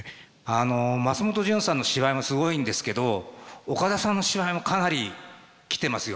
あの松本潤さんの芝居もすごいんですけど岡田さんの芝居もかなりきてますよ。